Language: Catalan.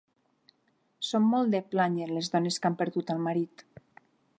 Són molt de plànyer les dones que han perdut el marit.